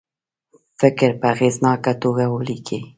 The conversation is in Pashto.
فکر په اغیزناکه توګه ولیکي.